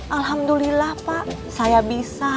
alhamdulillah pak saya bisa